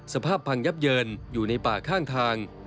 สภาพพังยับเยินอยู่ในป่าข้างทาง